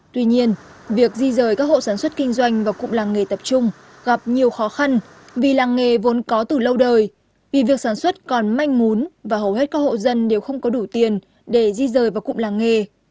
tuy nhiên việc di rời các hộ sản xuất kinh doanh và cụm làng nghề tập trung gặp nhiều khó khăn vì làng nghề vốn có từ lâu đời vì việc sản xuất còn manh mún và hầu hết các hộ dân đều không có đủ tiền để di rời vào cụm làng nghề